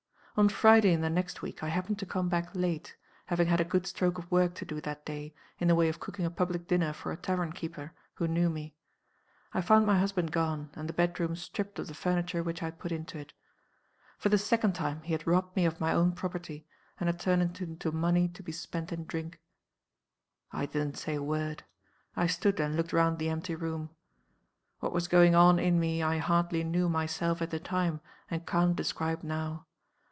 "On Friday in the next week I happened to come back late having had a good stroke of work to do that day, in the way of cooking a public dinner for a tavern keeper who knew me. I found my husband gone, and the bedroom stripped of the furniture which I had put into it. For the second time he had robbed me of my own property, and had turned it into money to be spent in drink. "I didn't say a word. I stood and looked round the empty room. What was going on in me I hardly knew myself at the time, and can't describe now.